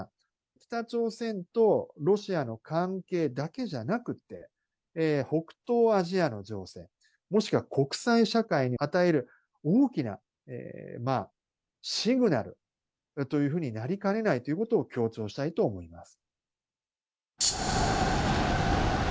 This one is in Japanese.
北朝鮮とロシアの関係だけじゃなくって、北東アジアの情勢、もしくは国際社会に与える大きなシグナルというふうになりかねないということを強調したいと思います。